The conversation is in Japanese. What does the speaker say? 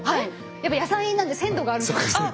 やっぱ野菜なんで鮮度があるものですから。